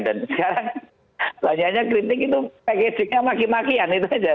dan sekarang banyaknya kritik itu paketnya maki makian itu saja